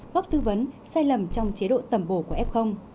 góc tư vấn sai lầm trong chế độ tẩm bổ của f